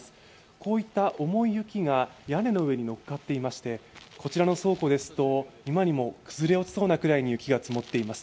こういった重い雪が屋根の上にのっかっていましてこちらの倉庫ですと、今にも崩れそうなくらいに雪が積もっています。